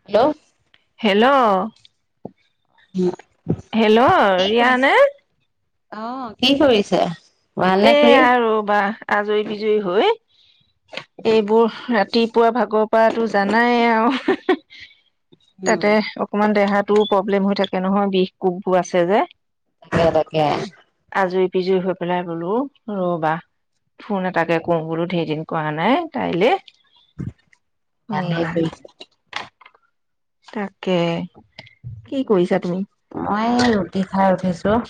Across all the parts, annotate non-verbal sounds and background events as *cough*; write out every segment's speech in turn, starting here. Hello hello কি hello ৰিয়ানে? অহ, কি কৰিছে? এ ভালনে খুৰী? আ ৰবা। আজৰি-বিজৰি হৈ, এইবোৰ ৰাতিপুৱা ভাগৰ পৰাটো জানাই আৰু, হি হি। উম, তাতে অকনমান দেহাত- টো প্ৰব্লেম হৈ থাকে নহয়, বিষ কবোৰ আছে যে। হে তাকে। বিজৰি হৈ পেলাই- বোলোঁ ৰ'বা, ফোন এটাকে কৰোঁ বোলোঁ ঢেৰ দিন কৰা নাই। তাইলে। ভালেই এয়া কৰিছ- তাকে, কি কৰিছা? তুমি মই ৰুটি খাই উঠিছোঁ। ত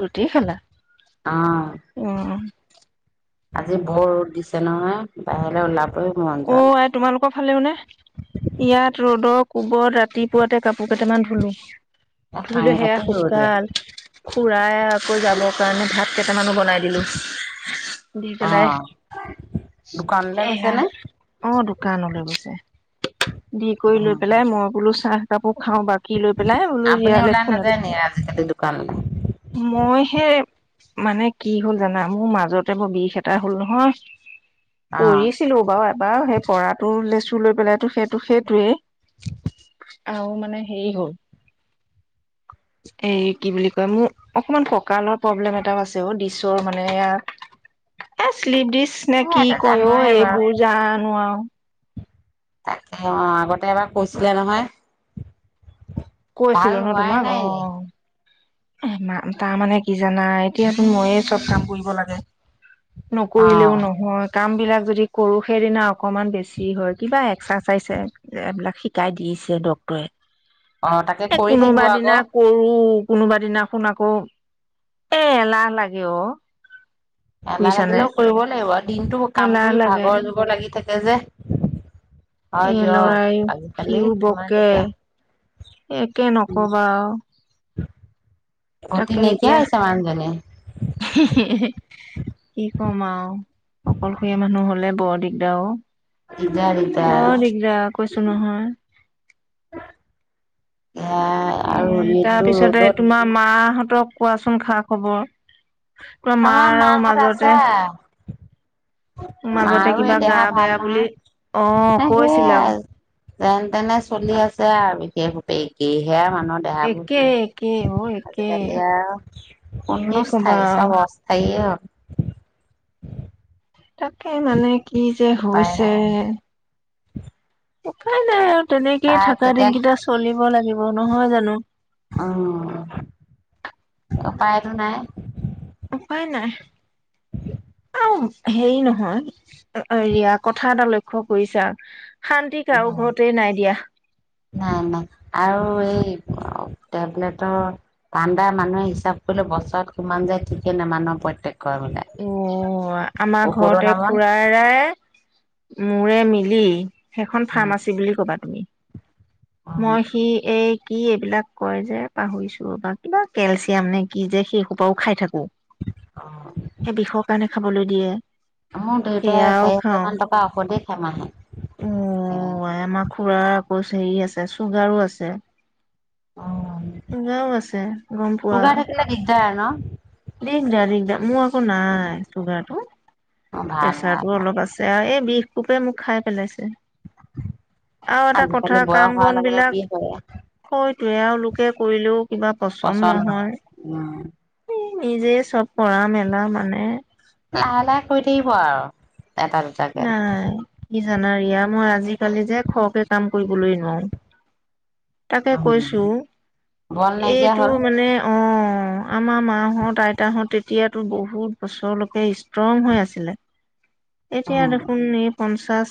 ৰুটি খালা? উম। আজি বৰ ৰ'দ দিছে নহয়। বাহিৰলৈ ওলা- অ আই তোমালোকৰ ফালেও নে? ইয়াত ৰ'দক কোবত ৰাতিপুৱাতে কাপোৰ কেইটামান ধুলোঁ। ধুই দিলো সেয়া সাংঘাতিক ৰ'দ ইয়াত। শুকাল। খুৰাই আকৌ যাবৰ কাৰণে ভাত কেইটামানো বনাই দিলো। দি পেলাই, অ' দোকানলৈ গৈছে এয়া নে? অ দোকানলৈ গৈছে। দি কৰি লৈ উম, পেলাই মই বোলো চাহ এপাক। খাওঁ বাকী লৈ পেলাই। বোলো আপুনি হিয়ালে ওলাই ফোনত, নাযায় নি আজিকালি দোকানলৈ? মই সেই মানে কি হল জানা? মোৰ মাজতে বৰ বিষ এটা হল নহয়? অ' পঢ়িছিলো বাৰু। বাৰু সেই পৰাটোৰ লেচু লৈ পেলাইটো সেইটো সেইটোৱেই। আৰু মানে হেৰি হ'ল, এই কি বুলি কয় মোৰ অকমান ককালত প্ৰব্লেম এটাও আছে অ মানে এইয়া শ্লিপ দিস্ক নে এ কি এইটো কয় অ জানোৱে বাৰু। এইবোৰ? নোৱাৰো তাকে অ', আগতে এবাৰ কৈছিলে নহয়। ভাল কৈছিলো ন হোৱাই তোমাক? অ! নাই। মা তাৰমানে কি জানা এতিয়াচোন মইয়ে চব কাম কৰিব লাগে। নকৰিলেও অ' নহয়। কাম বিলাক যদি কৰো সেইদিনা অকমান বেছি হয়, কিবা এক্সাৰচাইযে এইবিলাক শিকাই দিছে ডক্তৰে। অ' তাকে এ', কৰি থাকিব কোনোবা দিনা আকৌ। কৰোঁ। কোনোবা দিনাখন আকৌ, এ এলাহ লাগে অ এলাহ বুজিছানে লাগিলেও কৰিব লাগিব আৰু, দিনতটো কাম এলাহ কৰি লাগে ভাগৰ জোগৰ লাগি থাকে। তেজে এ লৰাই সিও কিমান বকে। দিগদাৰ একে নকবা আৰু। উ', তাকে এতিয়া হে - হে - হে কি কম আৰু। অকলশৰীয়া মানুহ হলে বৰ দিগদাৰ অ দিগদাৰ দিগদাৰ বৰ আৰু দিগদাৰ কৈছো নহয়। এয়া আৰু এ', তাৰ এইটো পিছতে ৰ'দত তোমাৰ মাহঁতক কোৱাচোন খা খবৰ? তোমাৰ আমাৰ মাৰ আৰু মাহত মাজতে আছে মাজতে মাৰো এই কিবা গা দেহা ভাল বেয়া নহয় বুলি অ কৈছিলা যেনে তেনে চলি আছে আৰু ইটো সিটো কৰি। সেয়া মানুহৰ একে দেহাবোৰ একে অ একে আজিকালি আৰু কি কোনো কবা স্থায়ী নহয় আৰু চব অস্থায়েই হয়। তাকে মানে কি যে উপায় হৈছে নাই উপাই নাই আও তেনেকেইে কাৰ থাকা কেতিয়া দিনকেইটা চলিব লাগিব নহয় জানো। পাইটো নাই উপায় নাই আৰু হেৰি নহয় ৰিয়া কথা এটা লক্ষ্য কৰিছা। শান্তি কাৰো ঘৰতে দিয়া নাই নাই আৰু এই টেবলেট চাণ্ডাৰ মানুহে হিচাপ কৰিলে বছৰত কিমান যায় ঠিকে নাই মান প্ৰত্যেক অ আমাৰ ঔষধৰ ঘৰতে নামত খুৰা ৰাই ময় মিলি সেইখন ফাৰ্মাচী বুলি ক'বা তুমি অ', মই সি এই কি এইবিলাক কয় যে পাহৰিছো ৰ কিবা কেলচিয়াম নে কি যে সেইসোপাও খাই থাকো অ', বিষৰ কাৰণে খাবলৈ দিয়ে অ দেউতা সেয়াও চাৰি হাজাৰ মান টকা আক দে সমাহে উ আই আমাৰ খুৰা। বছ হেৰি আছে চুগাৰো আছে চুগাৰো আছে গম পোৱা। হয় *unintelligible* দিগডা দিগডা মোৰ অ' নাই চুগাৰটো অ', ভাল ভাল প্ৰেচাৰটো ভাল অলপ আছে আও এ বিষ কোপে মোক খাই পেলাইছে আৰু এটা আজিকালি কথা বয়স কাম হোৱাৰ বন লগে লগে বিলাক বিষ হয় হৈ তেঁওলোকে কৰিলেও কিবা পচন্দ নহয়। উম, নহয় নিজেই চব কৰা মেলা মানে। লাহে লাহে কৰি থাকিব আৰু এটা নাই দুটাকে কি জানা ৰিয়া মই আজিকালি যে খৰকে কাম কৰিবলৈয়ে নোৱাৰো তাকে উম, কৈছো বল নাইকিয়া এইটো হ'ল মানে অ'অ আমাৰ মাহঁত আইতাহঁত তেতিয়াতো বহুত বছৰলৈকে ষ্ট্ৰং হৈ আছিলে এতিয়া উম, দেখোন এ পঞ্চ পঞ্চাছ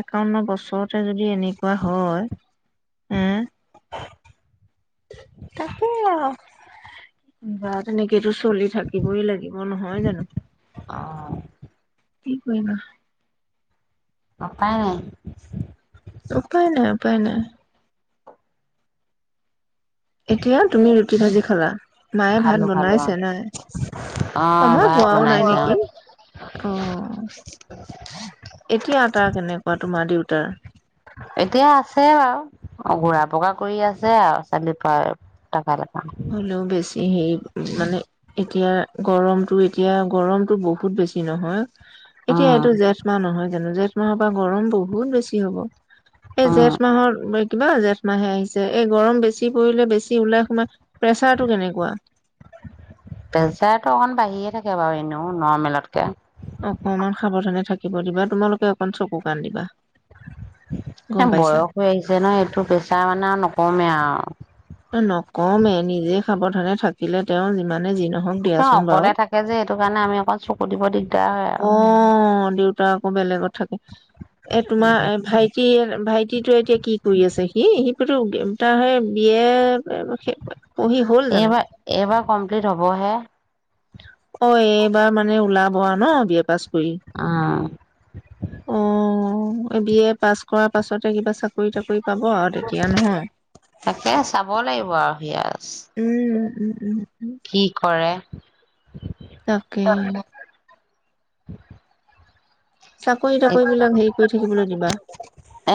একাৱন্ন বছৰতে যদি এনেকুৱা হয় হ' তাকেই আৰু বা তেনেকেটো চ চলি থাকিবই লাগিব নহয় জানো? অ', কি কৰিবা *unintelligible* নাই। উপায় নাই, উপায় নাই এতিয়া, তুমি কিহেদি খালা? মায়ে ভাত খালো খালো অ'। বনাইছে, নাই? অ সময় ভাত হোৱাও নাই বনাইছে অ নেকি, অ', এতিয়া আতাৰ কেনেকুৱা, তোমাৰ দেউতাৰ? এতিয়া আছে *unintelligible* হ'লেও বেছ ছি হেৰি, মানে এতিয়া গৰমটো এতিয়া গৰমটো বহুত বেছি নহয় এতিয়া উম এইটো জেঠ মাহ নহয় জানো জেঠ এই মাহৰ পৰা গৰম বহুত বেছি হ'ব এই উম জেঠ মাহৰ কিবা জেঠ মাহে আহিছে এই গৰম বেছি পৰিলে বেছি ওলাই সোমাই প্ৰেচাৰটো কেনেকুৱা পেচাৰটো অকণ বাঢ়িয়ে থাকে *unintelligible* বাৰু এনেও নৰ্মেলতকে। অকমান সাৱধানে থাকিব দিবা তোমালোকে অকণ চকু-কাণ দিবা গম এ' পাইছা বয়স হৈ আহিছে ন' এইটো পেছাৰ মানে আৰু নকমেই আৰু নকমে নিজে সাৱধানে থাকিলে তেওঁ যি যিমানে যি নহওঁক দিয়াচোন বাৰু। অকলে থাকে যে সেইটো কাৰণে আমি অকণ চকু দিব দিগদাৰ হয় আৰু অ', দেউতা আকৌ বেলেগত থাকে, এ' তোমাৰ এ' ভাইটিৰ ভাইটিতো এতিয়া কি কৰি আছে সি সি *unintelligible* তাৰ হে ইয়ে এইবাৰ, এইবাৰ কমপ্লিট হ'বহে। অ এইবাৰ মানে ওলাব আৱ ন বি এ পাছ কৰি উম আহ মই বি এ পাছ কৰাৰ পাছত ত কিবা চাকৰি তাকৰি পাব আৰু তেতিয়া নহয় তাকে চাব লাগিব আৰু সিয়া উম উ কি *inaudible* তাকে *unintelligible* চাকৰি তাকৰি বিলাক হেৰি কৰি থাকিবলৈ দিবা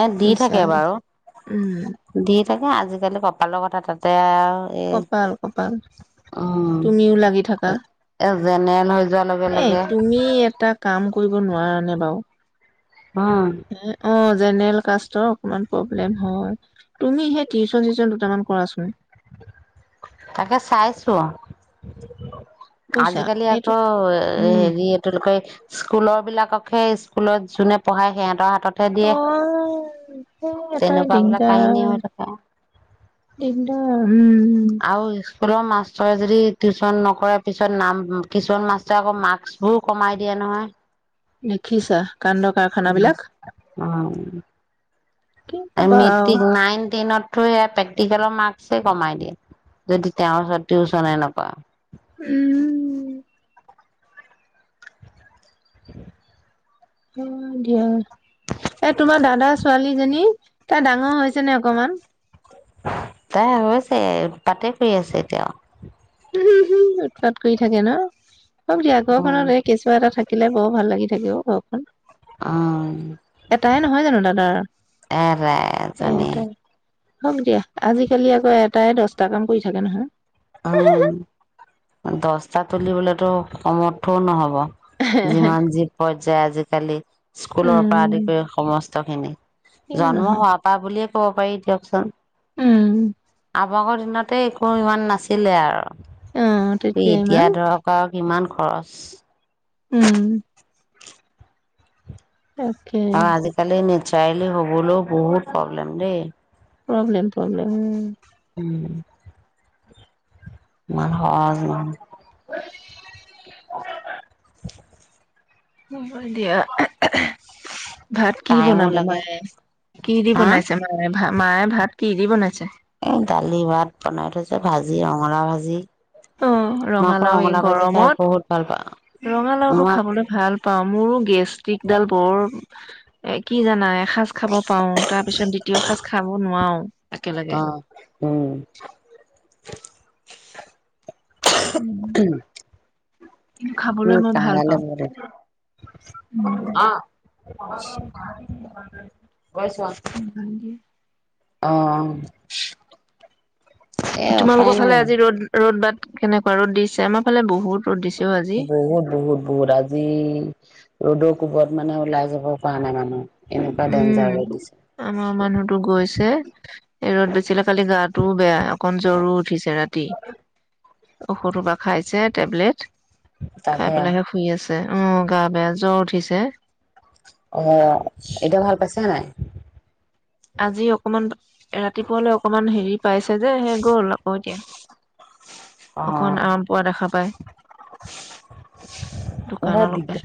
এ দি থাকে বাৰু উম দি থাকে আজিকালি কপালৰ কথা তাতে আৰু এই কপাল কপাল উম। তুমিও লাগি থাকা এ জেনেৰেল হৈ যোৱাৰ লগে এ লগে তুমি এটা কাম কৰিব নোৱাৰ নোৱাৰা নে উম বাৰু হ অ জেনেৰেল কাষ্টৰ অকমান প্ৰবলেম হয় তুমি সেই টিউচন চিওচন দুটামান কৰাচোন তাকে চাইছো বুজিছা আজিকালি আকৌ এইটো উম হেৰি এইটো কয় স্কুলৰ বিলাককহে স্কুলত যোনে পঢ়ায় সিহঁতৰ হাত আহ এটাই তেনেকুৱা বিলাক কাহিনী দিগদাৰ হৈ থাকে নিন্ত *unintelligible* আৰু স্কুলৰ মাষ্টৰে যদি টিউচন নকৰ পিছত নাম কিছুমান মাষ্টৰে আকৌ মাৰ্কচবোৰ কমাই দিয়া নহয় দেখিছা কান্দ কাৰখানা বিলাক উম, কি কবা আৰু মেট্ৰিক নাইন টেনত প্ৰেক্টিকেলৰ মাৰ্ক্সে কমাই দিয়ে যদি তেওঁৰ ওচৰত টিউচনে নকৰা উম কি *unintelligible* অ দিয়া এ তোমাৰ দাদা ছোৱালীজনী তাৰ ডাঙৰ হৈছে নে অকমান তাই আছে পাতে কৰি আছে এতিয়া উম হম উৎপাত কৰি থাকে ন *unintelligible* উম কেঁচুৱা এটা থাকে থাকিলে বৰ ভাল লাগি থাকে অও ঘৰখন এটাই উ নহয় জানো দাদাৰ এ এৰাজনী এটাই হওক দিয়া আজিকালি আকৌ এটাই দচটা কাম কৰি থাকে নহয় আহ দচটা তুলিবলেতো সমৰ্থও নহ'ব যিমান যি পৰ্যায় আজিকালি স্কুলৰ পৰা আদি উম কৰি সম তখিনি কিয় জন্ম নহয় হোৱাৰ পৰা বুলিয়ে ক'ব পাৰি দিয়াচোন। উম *inaudible* দিনতে একো ইমান নাছিলে অ আৰু তেতিয়া এতিয়া ইমান ধৰক আও কিমান খৰচ। উম তাকে অ আজিকালি *inaudible* ছোৱালী হ'বলৈ বহুত প্ৰব্লেম দেই! প্ৰব্লেম, প্ৰব্লেম উম। উম ইমান সহজ নহয়। হ'ব দিয়া *unintelligible* ভাত কি টাইমো বনাব লাগে মায়ে? কি দি হা বনাইছে মায়ে ভা মায়ে ভাত? কি দি বনাইছে? এ দাইল, ভাত বনাই থৈছে ভাজি, ৰঙালাও ভাজি। অ মই আকৌ ৰঙালাও এই ভাজি খাই বহুত ভাল পাওঁ গৰমত। ৰঙালাওটো মই খাবলৈ ভাল পাওঁ মোৰো গেষ্ট্ৰিকডাল বৰ এ কি জানা এ এসাজ খাব পাৰো তাৰ পিছত দ্বিতীয় সাজ খাব নোৱাৰো একেলগে অ উম উম, কিন্তু উম *inaudible* খাবলৈ মই ভাল পাওঁ। *inaudible* *inaudible* গৈছোঁ আহ তোমালোকৰ ফালে আজি ৰ'দ, ৰ'দ বাদ কেনেকুৱা ৰ'দ দিছে? আমাৰ ফালে বহুত ৰ'দ দিছে অ আজি। বহুত বহুত বহুত আজি ৰ'দৰ কোবত মানে ওলাই যাব পৰা নাই মানুহ এনেকুৱা উম, ডেঞ্জাৰ হৈ দিছে আমাৰ মানুহটো গৈছে। ৰ'দ দিছিলে কালি গাটোও বেয়া অকণ জ্বৰো উঠিছে ৰাতি। ঔষধো বা খাইছে টেবলেট। তাকে। উম গা বেয়া জ্বৰ উঠিছে। অহ এতিয়া ভাল পাইছে নে নাই? আজি অকণমান ৰাতিপুৱালৈ অকণমান হেৰি পাইছে যে সেয়ে গ'ল আকৌ এতিয়া। অকণ আৰাম পোৱা দেখা পাই অ বৰ দোকানলৈকে দিগদাৰ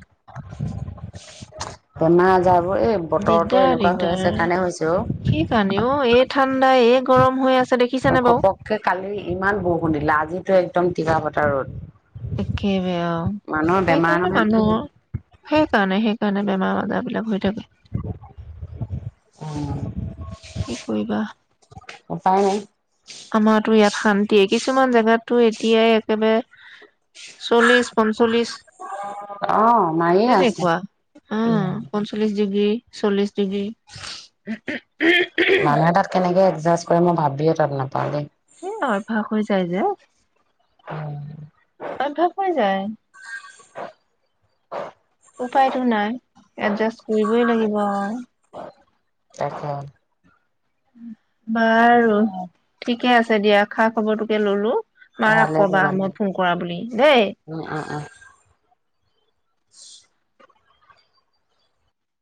*unintelligible* অ এই বতৰটো দিগদাৰ এনেকুৱা হৈ দিগদাৰ আছে কাৰণে হৈছে সেইকাৰণে অ। অ এই ঠাণ্ডা, এই গৰম হৈ আছে অ, দেখিছেনে বাৰু ঘপককে কালি ইমান বৰষূণ দিলে, আজি যে একদম টিকা ফতা ৰ'দ। একেবাই আউ, মানুহৰ বেমাৰ সেইকাৰণে নহয় কি মানুহৰ, সেইকাৰণে সেই সেইকাৰণে বেমাৰ-আজাৰবিলাক হৈ থাকে। উম কি কৰিবা? উপায় নাই আমাৰতো ইয়াত শান্তিয়েই, কিছুমান জেগাতটো এতিয়াই একেবাৰে চল্লিশ, পঞ্চল্লিশ অ' মাৰিয়ে আছে। তেনেকুৱা উম, পঞ্চল্লিশ ডিগ্ৰী, চল্লিশ ডিগ্ৰী। মানুহে তাত কেনেকে এডজাষ্ট কৰে মই ভাবিয়ে ত'ত নাপাওঁ দেই। এ, অভ্যাস হৈ যায় যে। অভ্যাস কৰি যায়। উপায়তো নাই, এডজাষ্ট কৰিবই লাগিব আৰু তাকে। *unintelligible* বাৰু, ঠিকে আছে দিয়া। খা-খবৰটোকে ল'লো। মাৰাক ভালে ক'বা কৰিলা উম, মই ফোন কৰা বুলি, দেই। *inaudible* উম, উম।